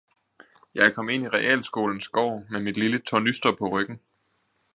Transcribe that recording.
Jeg kom ind i realskolens gård med mit lille tornyster på ryggen.